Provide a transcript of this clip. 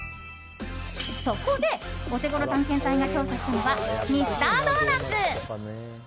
そこで、オテゴロ探検隊が調査したのはミスタードーナツ。